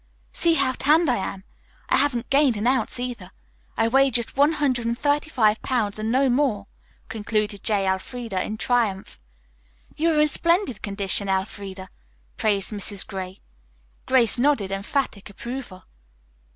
See how tanned I am? I haven't gained an ounce either. I weigh just one hundred and thirty five pounds and no more," concluded J. Elfreda in triumph. "You are in splendid condition, Elfreda," praised Mrs. Gray. Grace nodded emphatic approval.